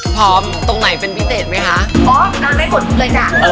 พร้อมตรงไหนเป็นพิเศษไหมคะ